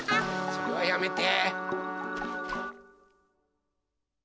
それはやめて。